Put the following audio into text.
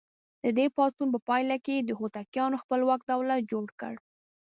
د دې پاڅون په پایله کې یې د هوتکیانو خپلواک دولت جوړ کړ.